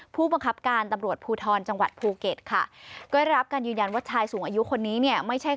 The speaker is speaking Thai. ผู้บังคับการตำรวจภูทรจังหวัดภูเก็ตค่ะก็ได้รับการยืนยันว่าชายสูงอายุคนนี้เนี่ยไม่ใช่